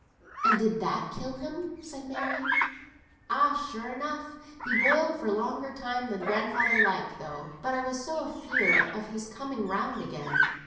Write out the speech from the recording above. "And did that kill him?" said Mary. "Ay, sure enough; he boiled for longer time than grandfather liked though. But I was so afeard of his coming round again.